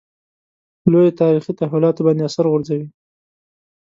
لویو تاریخي تحولاتو باندې اثر غورځوي.